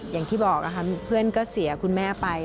อย่างที่บอกนะคะเพื่อนก็เสียคุณแม่ไป